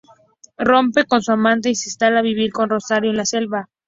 Rompe con su amante y se instala a vivir con Rosario en la selva.